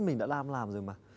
mình đã làm làm rồi mà